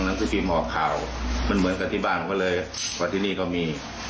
เหมือนกันที่บ้านก็เลยกอล์ทที่นี่ก็มี